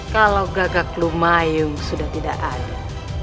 kalau gagak lumayung sudah tidak ada